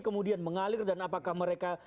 kemudian mengalir dan apakah mereka